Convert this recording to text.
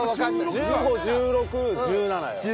１５１６１７よ。